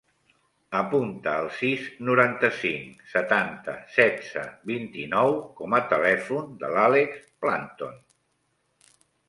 Apunta el sis, noranta-cinc, setanta, setze, vint-i-nou com a telèfon de l'Àlex Planton.